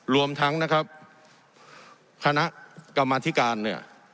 รวมทั้งนะครับคณะกรรมธิการเนี่ย